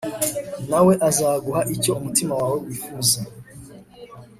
na we azaguha icyo umutima wawe wifuza